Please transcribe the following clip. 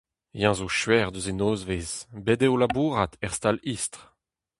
Eñ zo skuizh eus e nozvezh : bet eo o labourat er stal istr.